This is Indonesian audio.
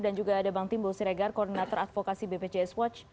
dan juga ada bang timbul siregar koordinator advokasi bpjs watch